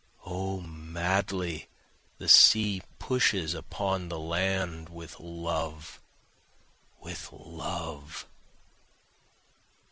O madly the sea pushes upon the land, With love, with love.